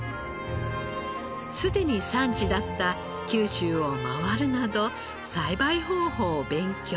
すでに産地だった九州を回るなど栽培方法を勉強。